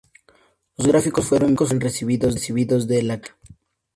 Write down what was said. Los gráficos fueron bien recibidos de la crítica.